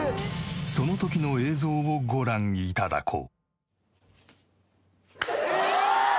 その時の映像をご覧頂こう。